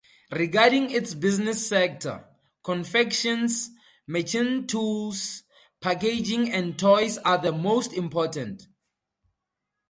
Regarding its business sector, confections, machine tools, packaging and toys are the most important.